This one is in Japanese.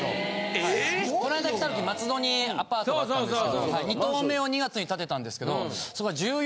こないだ来た時松戸にアパートがあったんですけど２棟目を２月に建てたんですけどそこが。